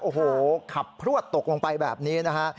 โอ้โหขับพลวดตกลงไปแบบนี้นะฮะ